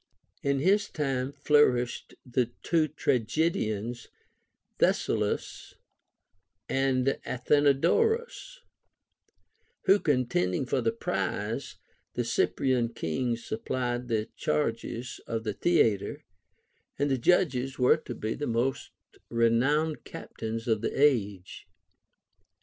In his time flourished the two tragedians, Thessalus and Athenodorus, who contending for the prize, the Cyprian kings supplied the charges of the theatre, and the judges were to be the most renowned captains of the age.